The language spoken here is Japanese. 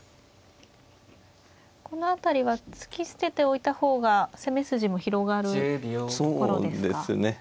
この辺りは突き捨てておいた方が攻め筋も広がるところですか。